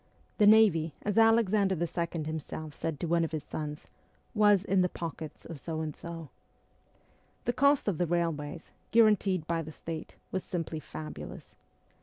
The navy, as Alexander II. himself said to one of his sons, was ' in the pockets of So and so.' The cost of the railways, guaranteed by the State, was simply fabulous.